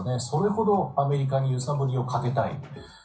それほどアメリカに揺さぶりをかけたい。